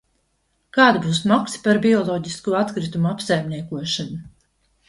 kāda būs maksa par bioloģisko atkritumu apsaimniekošanu?